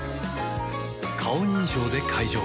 顔認証で解錠